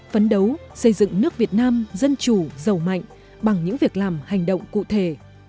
phấn đấu xây dựng nước việt nam dân chủ giàu mạnh bằng những việc làm hành động cụ thể